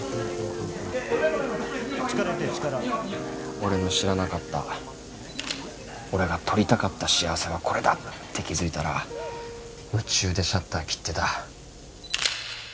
俺の知らなかった俺が撮りたかった幸せはこれだって気づいたら夢中でシャッター切ってた